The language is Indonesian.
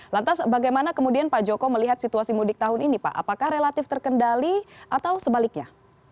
lantas bagaimana kemudian pak joko melihat situasi mudik tahun ini pak apakah relatif terkendali atau sebaliknya